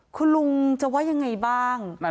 คุณลุงจะว่ายังไงบ้าง